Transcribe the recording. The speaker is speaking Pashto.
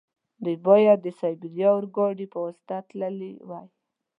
دوی باید د سایبیریا اورګاډي په واسطه تللي وای.